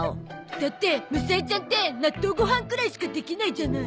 だってむさえちゃんって納豆ごはんくらいしかできないじゃない。